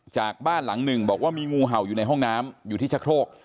บ้านหลังหนึ่งบอกว่ามีงูเห่าอยู่ในห้องน้ำอยู่ที่ชะโครก